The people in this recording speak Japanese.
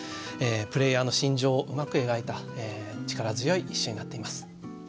プレーヤーの心情をうまく描いた力強い一首になっています。